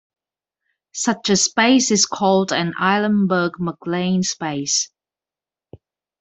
Such a space is called an Eilenberg-MacLane space.